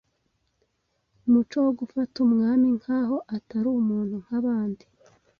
umuco wo gufata Umwami nk’aho atari umuntu nk’abandi,